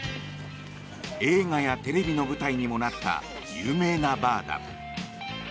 映画やテレビの舞台にもなった有名なバーだ。